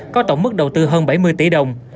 có tổng mức đầu tư hơn bảy mươi tỷ đồng